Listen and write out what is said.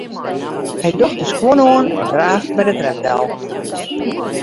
Hy docht de skuon oan en draaft by de trep del.